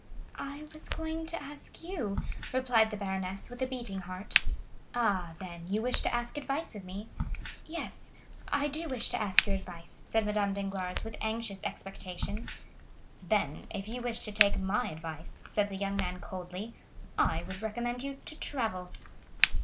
"I was going to ask you," replied the baroness with a beating heart. "Ah, then, you wish to ask advice of me?" "Yes; I do wish to ask your advice," said Madame Danglars with anxious expectation. "Then if you wish to take my advice," said the young man coldly, "I would recommend you to travel."